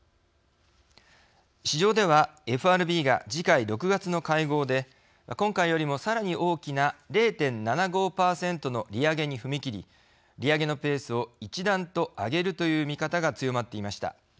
市場ではＦＲＢが次回６月の会合で今回よりもさらに大きな０．７５％の利上げに踏み切り利上げのペースを一段と上げるという見方が強まっていました。